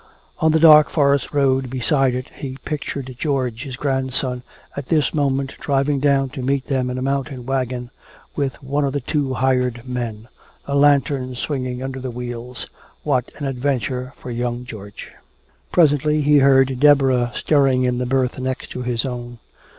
On the dark forest road beside it he pictured George, his grandson, at this moment driving down to meet them in a mountain wagon with one of the two hired men, a lantern swinging under the wheels. What an adventure for young George. Presently he heard Deborah stirring in the berth next to his own.